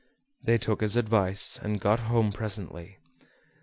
They took his advice, and got home presently.